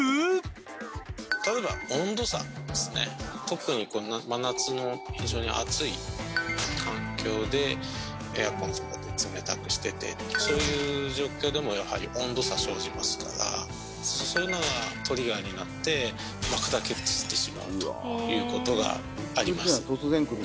特に真夏の非常に暑い環境でエアコンとかで冷たくしててそういう状況でもやはり温度差生じますからそういうのがトリガーになって砕け散ってしまうということがあります。